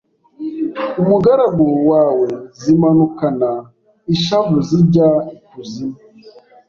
umugaragu wawe zimanukana ishavu zijya ikuzimu